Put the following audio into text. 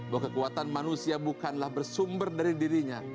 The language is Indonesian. bahwa kekuatan manusia bukanlah bersumber dari dirinya